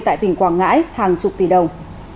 tại tỉnh quảng ngãi hàng chục tỷ đồng